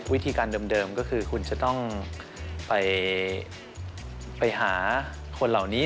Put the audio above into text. วิธีการเดิมก็คือคุณจะต้องไปหาคนเหล่านี้